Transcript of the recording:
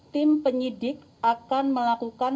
tim penyidik akan melakukan